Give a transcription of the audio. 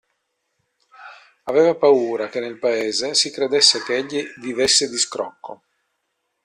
Aveva paura che nel paese si credesse ch'egli vivesse di scrocco.